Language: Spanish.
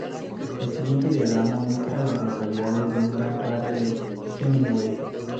El siguiente diagrama muestra a las localidades en un radio de de Hemingway.